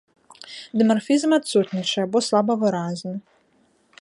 Дымарфізм адсутнічае або слаба выразны.